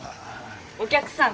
お客さん